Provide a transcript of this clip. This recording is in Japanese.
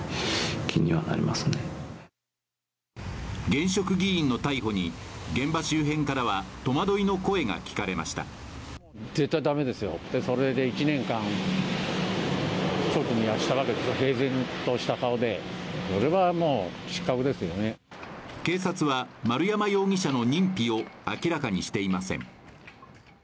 現職議員の逮捕に現場周辺からは戸惑いの声が聞かれました警察は丸山容疑者の認否を明らかにしていません